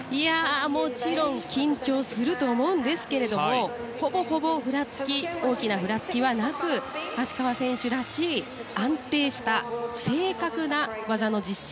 もちろん緊張すると思うんですがほぼほぼ、大きなふらつきはなく芦川選手らしい安定した正確な技の実施。